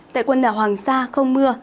tại quần đảo hoàng sa không mưa